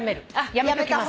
やめときます。